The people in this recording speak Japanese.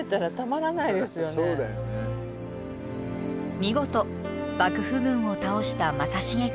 見事幕府軍を倒した正成軍。